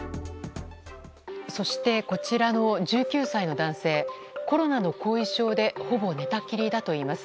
そしてこちらの１９歳の男性コロナの後遺症でほぼ寝たきりだといいます。